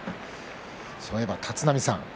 そういえば立浪さん